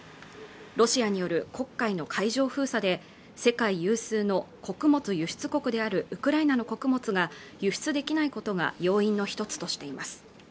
ロシアによる黒海の海上封鎖で世界有数の穀物輸出国であるウクライナの穀物が輸出できないことが要因の一つとしています